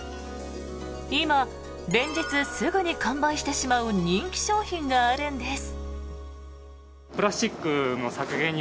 今、連日すぐに完売してしまう人気商品があるんです。